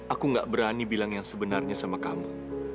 aku gak berani bilang yang sebenarnya sama kamu